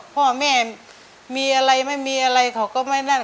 พ่อแม่มีอะไรไม่มีอะไรเขาก็ไม่นั่น